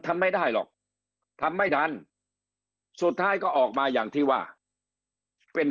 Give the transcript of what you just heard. ทำไม่ได้หรอกทำไม่ทันสุดท้ายก็ออกมาอย่างที่ว่าเป็น